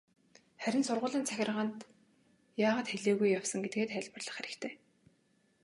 Харин сургуулийн захиргаанд яагаад хэлээгүй явсан гэдгээ тайлбарлах хэрэгтэй.